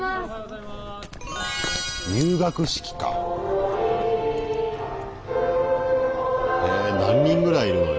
入学式か！へ何人ぐらいいるのよ